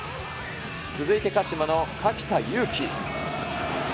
続いて鹿島の垣田裕暉。